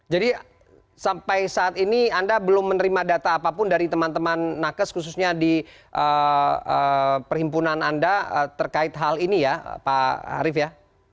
jadi sampai saat ini anda belum menerima data apapun dari teman teman nakes khususnya di perhimpunan anda terkait hal ini ya pak arief ya